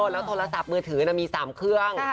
แล้วโทรศัพท์มือถือมี๓เครื่อง